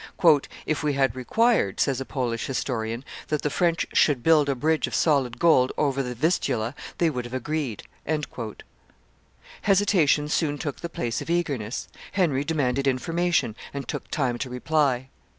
"If we had required," says a Polish historian, "that the French should build a bridge of solid gold over the Vistula, they would have agreed." Hesitation soon took the place of eagerness; Henry demanded information, and took time to reply.